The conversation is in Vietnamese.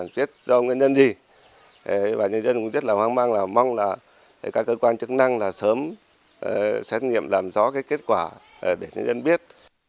và người dân cũng rất là hoang mang là mong là các cơ quan chức năng là sớm xét nghiệm làm rõ cái kết quả để người dân biết